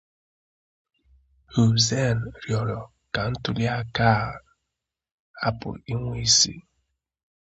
Hussein rịọrọ ka ntuli aka a hapụ inwe isi.